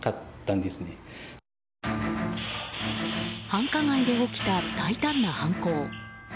繁華街で起きた大胆な犯行。